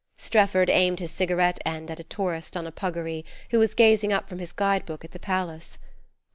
Strefford aimed his cigarette end at a tourist on a puggaree who was gazing up from his guidebook at the palace.